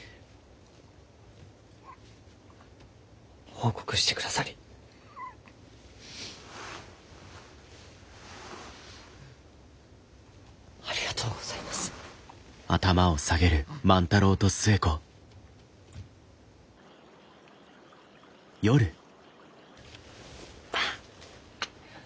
報告してくださりありがとうございます。バア。